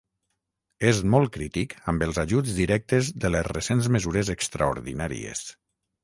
És molt crític amb els ajuts directes de les recents mesures extraordinàries.